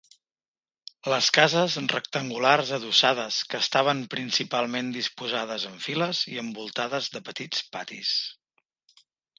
Les cases rectangulars adossades que estaven principalment disposades en files i envoltades de petits patis.